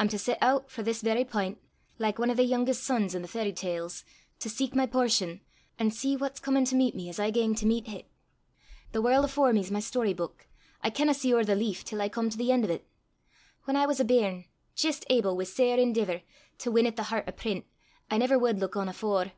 I'm to set oot frae this verra p'int, like ane o' the yoongest sons i' the fairy tales, to seek my portion, an' see what's comin' to meet me as I gang to meet hit. The warl' afore me's my story buik. I canna see ower the leaf till I come to the en' o' 't. Whan I was a bairn, jist able, wi' sair endeevour, to win at the hert o' print, I never wad luik on afore!